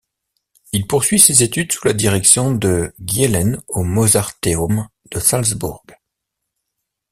Il poursuit ses études sous la direction de Gielen au Mozarteum de Salzbourg.